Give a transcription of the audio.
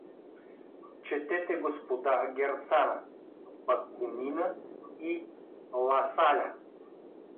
Четете, господа, Герцена; Бакунина и Ласаля.